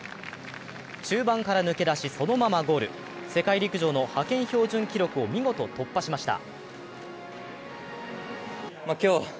中盤から抜け出し、そのままゴール世界陸上の派遣標準記録を見事突破しました。